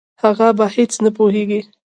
هغه په هېڅ نه پوهېږي.